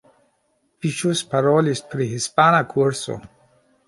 Vi ĵus parolis pri hispana kurso.